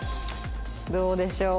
どうでしょう？